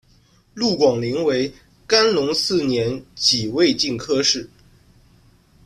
陆广霖为干隆四年己未科进士。